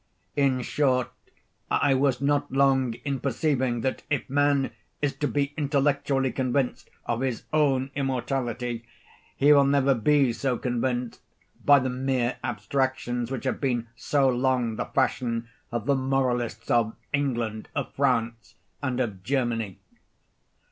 In short, I was not long in perceiving that if man is to be intellectually convinced of his own immortality, he will never be so convinced by the mere abstractions which have been so long the fashion of the moralists of England, of France, and of Germany.